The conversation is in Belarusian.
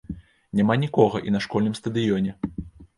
Няма нікога і на школьным стадыёне.